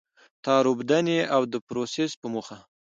تار اوبدنې او د پروسس په موخه.